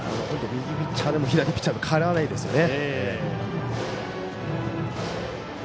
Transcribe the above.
右ピッチャーでも左ピッチャーでも変わらないですよね。